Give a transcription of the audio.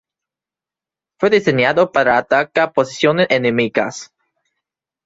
Fue diseñado para atacar posiciones enemigas.